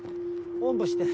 おんぶして。